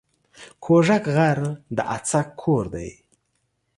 کوږک غر د اڅک کور دی